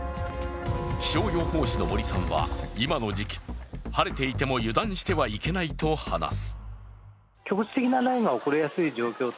気象予報士の森さんは今の時期、晴れていても油断してはいけないと話す。